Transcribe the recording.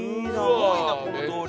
すごいなこの通り。